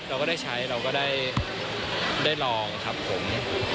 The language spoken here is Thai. เราก็ได้ใช้เราก็ได้ลองครับผม